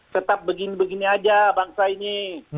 tetap begini begini aja bangsa ini